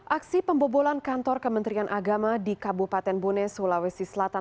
aksi pembobolan kantor kementerian agama di kabupaten bone sulawesi selatan